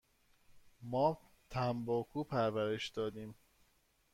ما تنباکو پرورش دادیم.